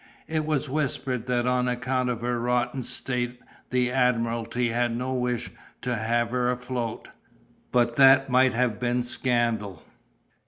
It was whispered that on account of her rotten state the admiralty had no wish to have her afloat, but that might have been scandal.